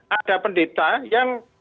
ada pendeta yang